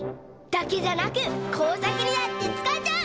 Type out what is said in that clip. だけじゃなくこうさくにだってつかえちゃう！